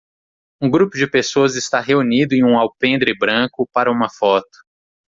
Um grupo de pessoas está reunido em um alpendre branco para uma foto.